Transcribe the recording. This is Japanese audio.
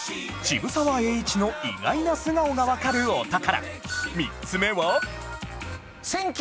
渋沢栄一の意外な一面がわかるお宝